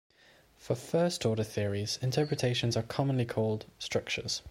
For first-order theories, interpretations are commonly called structures.